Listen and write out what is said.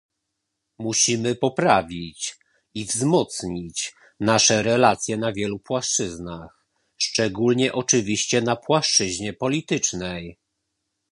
Musimy poprawić i wzmocnić nasze relacje na wielu płaszczyznach, szczególnie oczywiście na płaszczyźnie politycznej